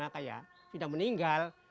laman kulai kita mati lah mendingan